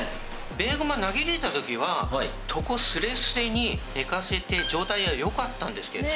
ベーゴマ投げ入れた時は床スレスレに寝かせて状態は良かったんですけれど。